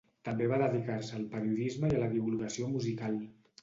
També va dedicar-se al periodisme i a la divulgació musical.